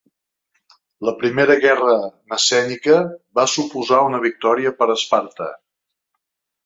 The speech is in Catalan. La primera guerra messènica va suposar una victòria per Esparta.